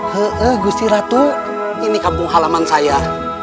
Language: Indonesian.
he'eh gusti ratu ini kampung halaman saya